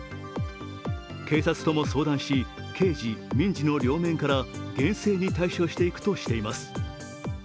警察とも相談し、刑事・民事の両面から厳正を対処していくといいます。